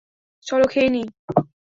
চলো খেয়ে নেই।